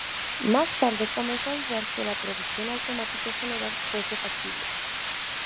Más tarde comenzó a dudar que la traducción automática general fuese factible.